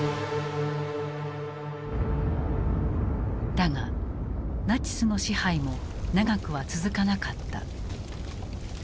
だがナチスの支配も長くは続かなかった。